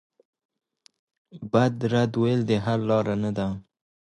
بد رد ویل د حل لاره نه ده.